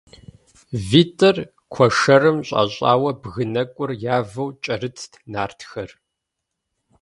ВитӀыр куэшэрым щӀэщӀауэ бгы нэкӀур явэу кӀэрытт нартхэр.